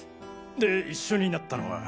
で一緒になったのは？